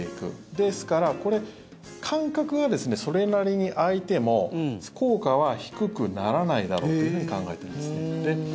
ですから間隔がそれなりに空いても効果は低くならないだろうと考えているんですね。